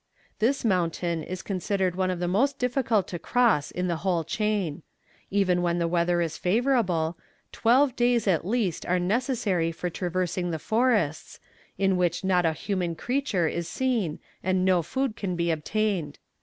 This mountain is considered one of the most difficult to cross in the whole chain. Even when the weather is favourable, twelve days, at least, are necessary for traversing the forests, in which not a human creature is seen and no food can be obtained.